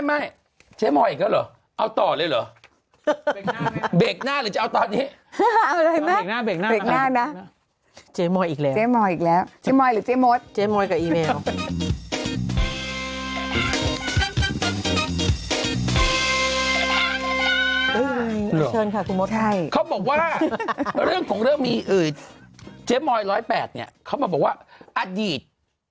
เมล็ดมอย๑๐๘เนี่ยเขามาบอกว่าอดีต